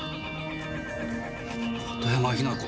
片山雛子。